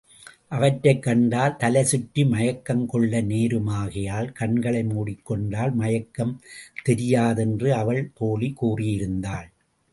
அவற்றைக் கண்டால் தலைசுற்றி மயக்கம் கொள்ள நேருமாகையால் கண்களை மூடிக் கொண்டால் மயக்கம் தெரியாதென்று அவள் தோழி கூறியிருந்தாள்.